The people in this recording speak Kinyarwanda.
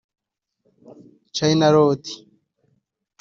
China Road